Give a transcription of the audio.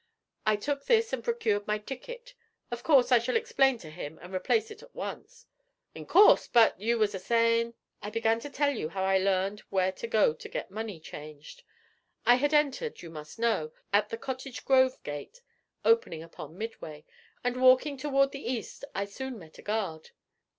I took this and procured my ticket. Of course I shall explain to him and replace it at once.' 'In course! but you was a saying ' 'I began to tell you how I learned where to go to get money changed. I had entered, you must know, at the Cottage Grove gate opening upon Midway, and walking toward the east I soon met a guard.'